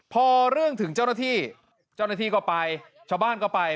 พอเรื่องถึงเจ้าหน้าที่เจ้าหน้าที่ก็ไปชาวบ้านก็ไป